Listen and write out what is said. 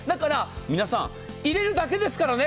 皆さん、入れるだけですからね。